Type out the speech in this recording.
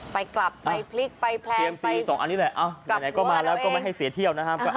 ไปกลับ๒หลับทำลาย